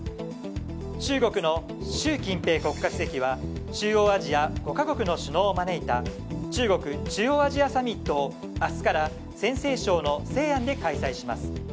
中国の習近平国家主席は中央アジア５か国の首脳を招いた中国・中央アジアサミットを明日から陝西省の西安で開催します。